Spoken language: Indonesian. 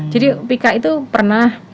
jadi pika itu pernah